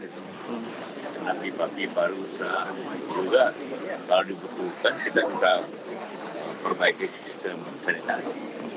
tapi bagi barusan juga kalau dibutuhkan kita bisa perbaiki sistem sanitasi